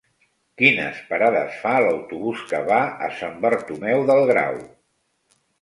Quines parades fa l'autobús que va a Sant Bartomeu del Grau?